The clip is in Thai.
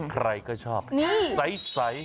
ใครก็ชอบใส